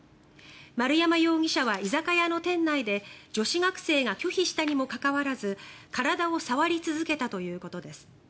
丸山容疑者は居酒屋の店内で女子学生が拒否したにもかかわらず体を触り続けたということです。